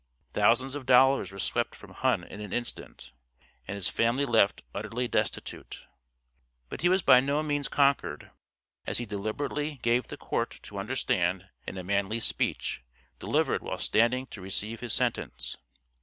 Thousands of dollars were swept from Hunn in an instant, and his family left utterly destitute; but he was by no means conquered, as he deliberately gave the court to understand in a manly speech, delivered while standing to receive his sentence.